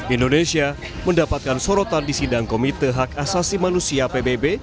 indonesia mendapatkan sorotan di sidang komite hak asasi manusia pbb